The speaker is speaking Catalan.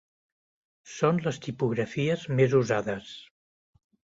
Són les tipografies més usades.